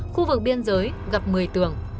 khu vực biên giới gặp mười tường